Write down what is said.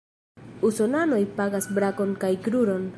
Usonanoj pagas brakon kaj kruron.